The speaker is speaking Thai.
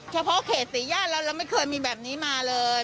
เฉพาะเขตสี่ย่านแล้วเราไม่เคยมีแบบนี้มาเลย